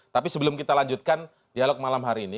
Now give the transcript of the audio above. tapi sebelum kita lanjutkan dialog malam hari ini